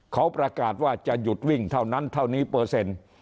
เขาประกาศว่าจะหยุดวิ่งเท่านั้นเท่านี้เปอร์เซ็นต์